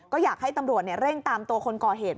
ก็อยากให้ตำรวจเร่งตามตัวคนก่อเหตุ